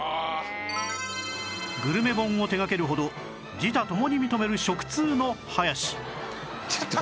グルメ本を手掛けるほど自他共に認めるちょっと！